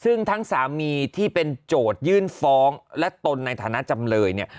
ซึ่งทั้งสามีที่เป็นโจทยื่นฟ้องและตนในฐานะจำเลยเนี่ย